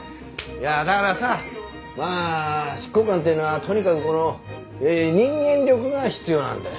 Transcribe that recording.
いやだからさまあ執行官というのはとにかくこの人間力が必要なんだよ。